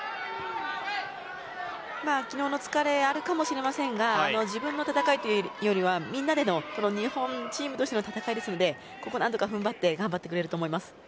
昨日の疲れがあるかもしれませんが自分の戦いというよりは日本のチームとしての戦いなので何とか踏ん張って頑張ってくれると思います。